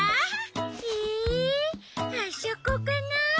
えあそこかな？